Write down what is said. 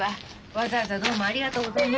わざわざどうもありがとうございました。